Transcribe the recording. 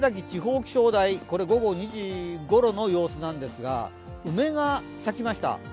地方気象台、午後２時ごろの様子なんですが、梅が咲きました。